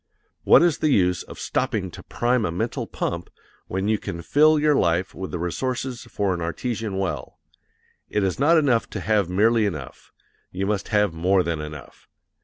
What is the use of stopping to prime a mental pump when you can fill your life with the resources for an artesian well? It is not enough to have merely enough; you must have more than enough.